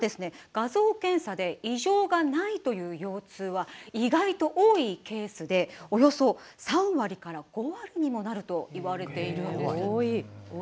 画像検査で異常がないという腰痛は意外と多いケースでおよそ３割から５割にもなるといわれているんですよ。